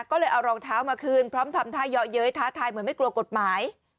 ก็เลยเอารองเท้ามาคืนพร้อมทำท่าเยาะเย้ยท้าทายเหมือนไม่กลัวกฎหมาย